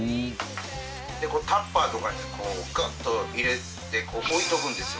でこれタッパーとかにガッと入れて置いておくんですよ。